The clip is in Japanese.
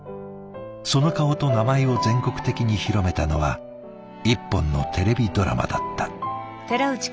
その顔と名前を全国的に広めたのは１本のテレビドラマだった。